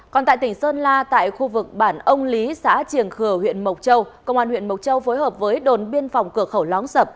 còn tại tỉnh sơn la tại khu vực bản ông lý xã triềng khừa huyện mộc châu công an huyện mộc châu phối hợp với đồn biên phòng cửa khẩu lóng sập